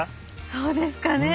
そうですかね。